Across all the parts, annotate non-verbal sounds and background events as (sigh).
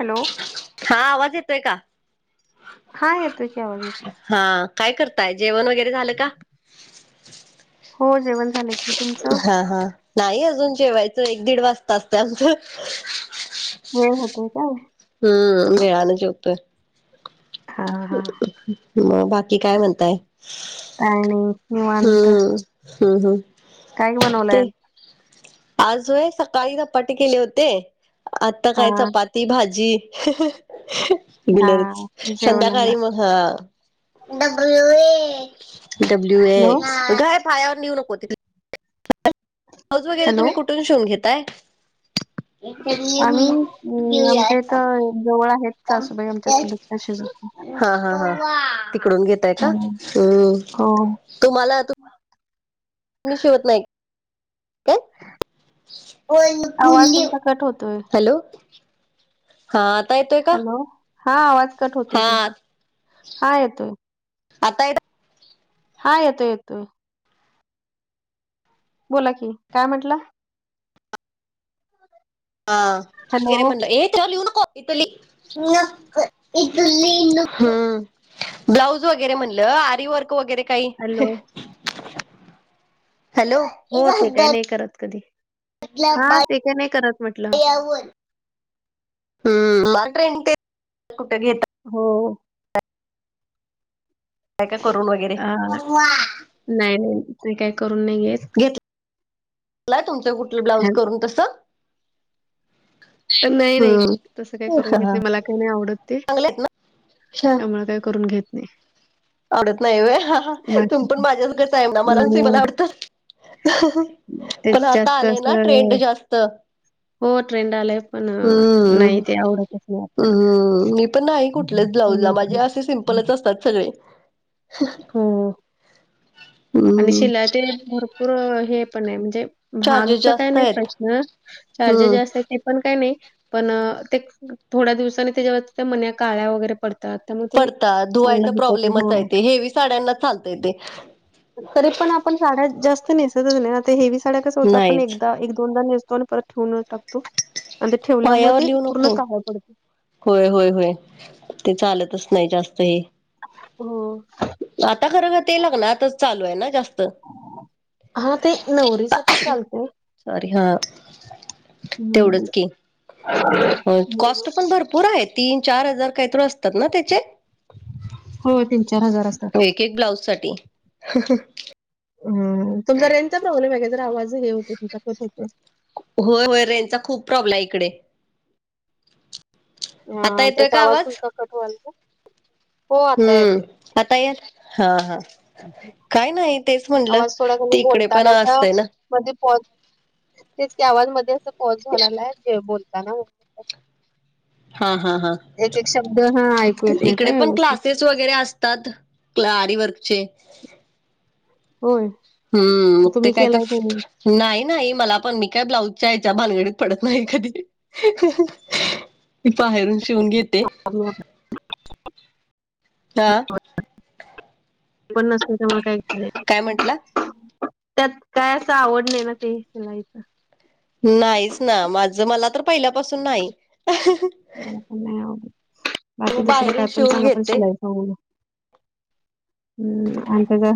Hello. हा आवाज येतोय का? हा येतोय की आवाज येतय. हां काय करताय? जेवण वगैरे झालं का. हो जेवण झाले. हां हां नाही अजून जेवायचं एक दीड वाजता असत आमचं. हो होते काय. हम्म (unintelligible) वयानं जेवतोय. हा हा म बाकी काय म्हनताय? काय नई निवांत हम्म हम्म. काय बनवलंय? ते आज होय सकाळी धपाटे केले होते. आता हा काय चपा ती भाजी हा गलरच (unintelligible) जेवणाला संध्याकाळी म हा W A W A. Hello उठय पायावर नीऊ नको ती. ब्लाउज वगैरे हॅलो तुम्ही कुठून शिवून घेताय? आम्ही येऊ अं देऊया आमच्या आ. इथं जवळ आहेत सासूबाई आमच्या चुलत त्या शिजवतात (unintelligible) हा हा हा तिकडून घेतय का? हो हम हो. तुमाला मी शिवत नाही. काय ह. होतोय हॅलो. हां आता येतोय का? हॅलो हा आवाज कट होतोय हा. तुमचा हा येतोय आता येतोय. हा येतो येतो. बोला की काय म्हटला. हां हॅलो हे त्याच्यावर लिहू नको इत ली. नको इथलीन हम्म ब्लाऊज वगैरे म्हणलं आरीवर्क वगैरे काही. हॅलो हॅलो हो ते काय नाही करत कधी हा ते काय नाही करत म्हटलं. आवर. ह मला ट्रेनिंग ते कुठ घेता. हो. काय काय करून वगैरे. अ, नाही मी करून नाही घेत. नाई तुमचं कुठलं ब्लाउज हं, करून तसं? नाई नाई हम्म तसं काही करून घेत नाही मला काही नाही आवडत ते. चांगले आहेत ना त्या मुळं काही करून घेत नाही. आवडत नाई वय हां हां बाकी तुम पण काही माझ्याच गत आहे ना मला त मला आवडत. तेच पण आता जास्त आलंय ना ट्रेंड असं जास्त. हो ट्रेंड आलाय पण नाही हम्म ते आवडतच नाही आपल्याला. हम्म मी पण नाही कुठलेच ब्लाउज ला त्यामुळे काही माजे आसे सिंपलच असतात सगळे. हम्म. आणि हम्म शिलाय ते भरपूर हे पण आहे म्हणजे चार्जेस महागच काय जास्त नाही आहेत प्रश्न. चार्जेस हम्म जास्त आहेत. हे पण काय नाही पण ते थोड्या दिवसानी तेज्या वरच्या मन्या काळ्या वगैरे पडत पडता धुवायचा प्रॉब्लेमच आय हां. तेे हेवी साड्यांना चालतय ते. तरी पण आपण साड्या जास्त नेसतच नाही हेवी साड्या कस होत आपण नाहीच एकदा एक दोनदा नेस तो आणि परत ठेवून टाकतो आणि ठेवल्यामुळे पायावर ते लिहू पूर्ण नको काळ पड होय होय होय ते चालतच नाही जास्त हे. हो. आता खरखर ते लग्न आताच चालू आहे ना जास्त हा ते नवरीसाठी चालतंय. सॉरी हा तेवढच की कॉस्ट पण भरपूर पुर आहे तीन चार हजार काहीत असतात ना त्याचे, हो तीन चार हजार असतात. ब्लाउ साठी ह तुम ज रेचा प्रॉब्लेम आहे का जर आवाज हे होते तचा कट होते. होय होय रेज चा खूप प्रॉब्लेम आहे इकडे आता ह येतोय त्याचा का आवाज तुलचा कटवा्हाल हम्म आता या हा हा काय नाही तेच म्हणलं आवाज थोडा त कमी इकडे पण बोलतानाचा असतंय ना, मध्ये पॉझ तेच गवाां मध्ये अस पॉझ झालेला आहे जे बोलताना हा हा हा एक एक शब्द हा ऐकू येत नाहीत इकडे पण व्यवस्थित क्लासेस वगैरे असतात आरी वर्कचे. होय हम्म मग ते तुम्ही काय तर केलाय की नाही नाही नाही मला पण मी काय ब्लाऊजच्या यायच्या भानगडीत पडत नाही कधी हीही मी बाहेरून शिवून घेते आम्ही हा. पण नसत मला काय काय म्हटलं त्यात काय असं आवड नाही ना ते शिलाईच नाहीच ना माझ मला तर पहिल्यापासून नाही. मला पण नाही आव बाकी मग दुसरं बाहेरून काय पण शिवून चांग पण घेते शलाई हम्म अंत का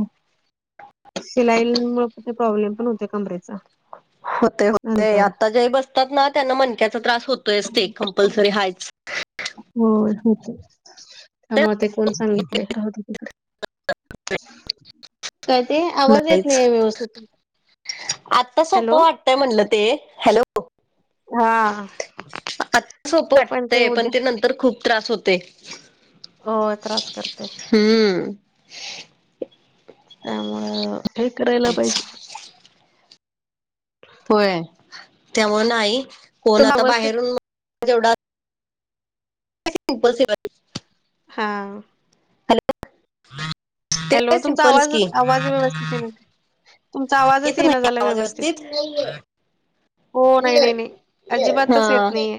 शिलाईमुळे ते प्रॉब्लेम पण होते कमरेचा होते होते नंतर आता जे बसतात ना त्यांना मनक्याचा त्रास होतोय असते कंपल्सरी हायच हो होत त्यामुळे ते कोण सांगितले राहू दे तिकडे.. काय ते आवाज येत नाही नाहीच आहे व्यवस्थितुमचा हॅलो तेय म्हणलं ते हॅलो हा आता सोप वाटतय पण ते नंतर खूप त्रास होते. हो त्रास करते. हम्म त्यामुळं फेक करायला पाहिजे. होय त्यामुळ नाही कोण तुम आता व्यवस्थित बाहेरून तेवढा पल स (inaudible) हा हॅलो हॅलो तुमचा आवाज आवाज व्यवस्थित येत नाही. तुमचा आवाजच येत ये ना नाही झाला आवाज व्यवस्थित हो नाही नाही नाही अजिबातच येत हा नाहीये.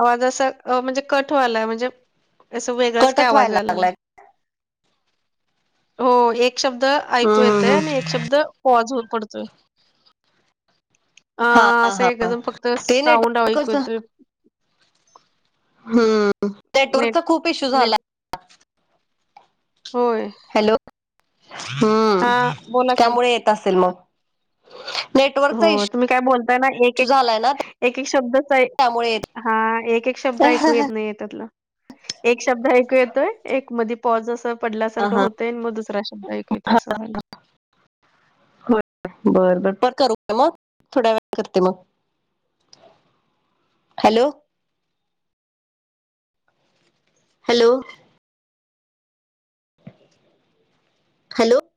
आवाज असं म्हणजे कट वालाय म्हणजे असं वेगळाच काय कटच आवाज व्हायला आलेला लागलाय आहे. हो एक शब्द ऐकू हम्म, हम्म, येतय आणि हम्म. एक शब्द पॉज पडतोय. अ हा असं आहे कजम फक्त ते साऊंड नेटवर्कच ऐकत. हम्म नेट नेटवर्कचा खूप इशू नेट झाला होय. हॅलो हम्म हां, बोला की. त्यामुळे येत असेल मग, नेटवर्कचा हो इश्यू तुम्ही काय बोलताय ना एक एक झालाय ना एक एक शब्दच त्यामुळे येत हा एक एक शब्द हा ऐकू येत नाहीय, त्यातल. एक शब्द ऐकू येतोय, एक मधी पॉज असं पडल्या सारखं हा होतय, मग दुसरा शब्द ऐकु येतोय असं व्हालयं. (unintelligible) हो, बरं बरं परत करू काय मग? थोड्या वेळात करते मग. हॅलो! हॅलो! हॅलो!